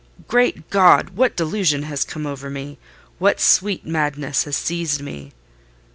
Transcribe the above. "Great God!—what delusion has come over me? What sweet madness has seized me?"